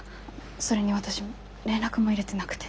それに私連絡も入れてなくて。